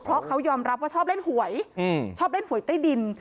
เพราะเขายอมรับว่าชอบเล่นหวยชอบเล่นหวยใต้ดิน